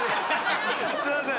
すいません。